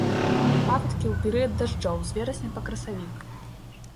Паводкі ў перыяд дажджоў, з верасня па красавік.